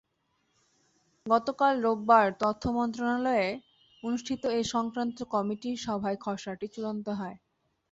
গতকাল রোববার তথ্য মন্ত্রণালয়ে অনুষ্ঠিত এ-সংক্রান্ত কমিটির সভায় খসড়াটি চূড়ান্ত হয়।